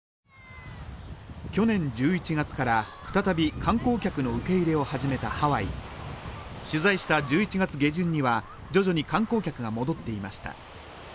去年１１月から再び観光客の受け入れを始めたハワイ取材した１１月下旬には徐々に観光客が戻っていました